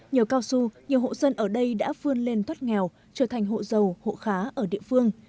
nhiều cao su nhiều hộ dân ở đây đã phương lên thoát nghèo trở thành hộ dầu hộ khá ở địa phương